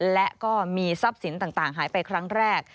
และก็มีทรัพย์สินต่างหายไปครั้งแรก